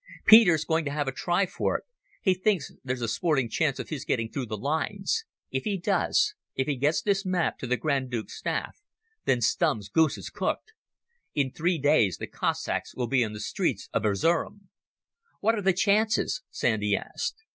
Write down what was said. "Peter's going to have a try for it. He thinks there's a sporting chance of his getting through the lines. If he does—if he gets this map to the Grand Duke's staff—then Stumm's goose is cooked. In three days the Cossacks will be in the streets of Erzerum." "What are the chances?" Sandy asked.